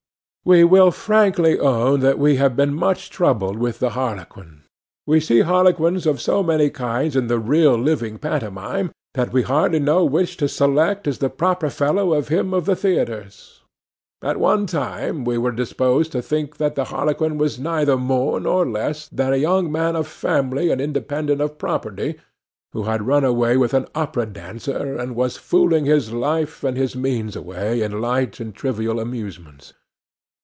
We will frankly own that we have been much troubled with the harlequin. We see harlequins of so many kinds in the real living pantomime, that we hardly know which to select as the proper fellow of him of the theatres. At one time we were disposed to think that the harlequin was neither more nor less than a young man of family and independent property, who had run away with an opera dancer, and was fooling his life and his means away in light and trivial amusements.